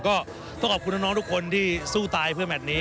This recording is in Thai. ก็ต้องขอบคุณน้องทุกคนที่สู้ตายเพื่อแมทนี้